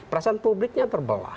perasaan publiknya terbelah